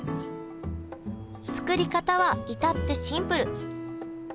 作り方は至ってシンプル！